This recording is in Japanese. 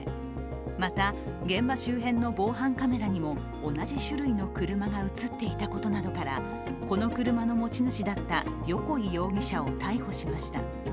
また、現場周辺の防犯カメラにも同じ種類の車が映っていたことなどからこの車の持ち主だった横井容疑者を逮捕しました。